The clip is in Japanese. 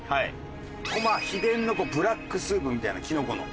秘伝のブラックスープみたいなきのこの。